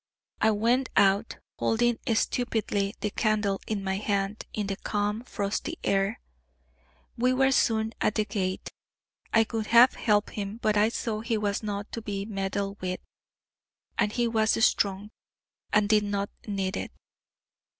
I went out, holding stupidly the candle in my hand in the calm frosty air; we were soon at the gate. I could have helped him, but I saw he was not to be meddled with, and he was strong, and did not need it.